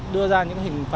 đưa ra những hình thức